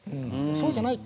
そうじゃない。